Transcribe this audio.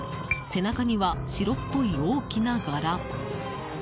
背中には、白っぽい大きな柄。